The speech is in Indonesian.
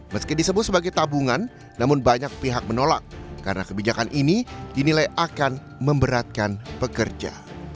meski disebut sebagai tabungan namun banyak pihak menolak karena kebijakan ini dinilai akan memberatkan pekerja